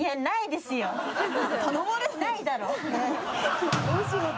ないだろ。